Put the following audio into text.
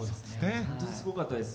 本当にすごかったです。